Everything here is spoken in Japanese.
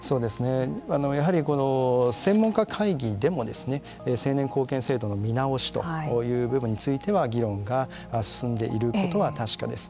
やはり専門家会議でも成年後見制度の見直しという部分については議論が進んでいることは確かです。